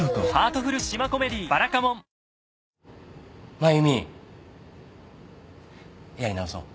繭美やり直そう。